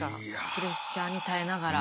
プレッシャーに耐えながら。